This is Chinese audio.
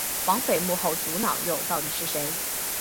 绑匪幕后主脑又到底是谁？